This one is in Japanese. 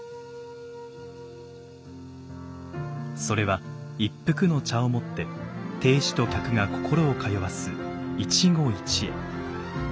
それは一服の茶をもって亭主と客が心を通わす